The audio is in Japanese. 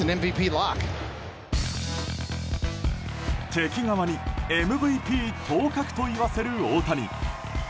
敵側にＭＶＰ当確と言わせる大谷。